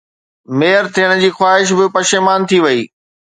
mayor ٿيڻ جي خواهش به پشيمان ٿي وئي